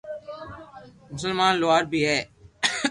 مسمان لوھار بي ھي